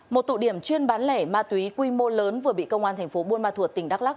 một tụ điểm chuyên bán lẻ ma túy quy mô lớn vừa bị công an thành phố buôn ma thuột tỉnh đắk lắc